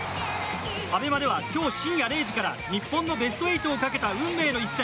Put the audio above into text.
ＡＢＥＭＡでは今日深夜０時から日本のベスト８をかけた運命の一戦